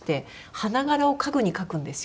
花柄を家具に描くんですよ。